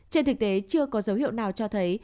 trên thực tế chưa có dấu hiệu nào cho thấy